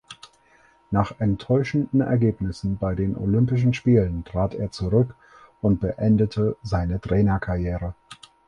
Nach enttäuschenden Ergebnissen bei den Olympischen Spielen trat er zurück und beendete seine Trainerkarriere.